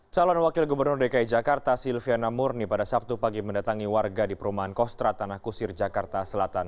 calon wakil gubernur dki jakarta silviana murni pada sabtu pagi mendatangi warga di perumahan kostra tanah kusir jakarta selatan